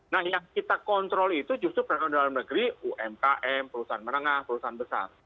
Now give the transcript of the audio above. nah yang kita kontrol itu justru produk dalam negeri umkm perusahaan menengah perusahaan besar